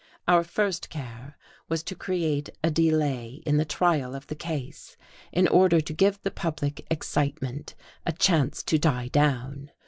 Our first care was to create a delay in the trial of the case in order to give the public excitement a chance to die down.